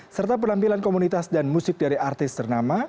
serta penampilan komunitas dan musik dari artis ternama